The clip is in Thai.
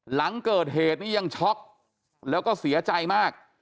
หลังเกิดเหตุนี้ยังช็อกแล้วก็เสียใจมาก